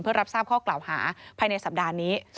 เพื่อรับทราบข้อกล่าวหาภายในสัปดาห์นี้